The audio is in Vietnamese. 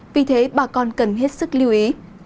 vì thế bà con cần hết sức lưu ý